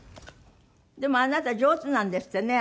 でもあなた上手なんですってね？